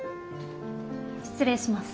失礼します。